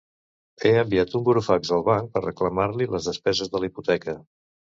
He enviat un burofax al banc per reclamar-li les despeses de la hipoteca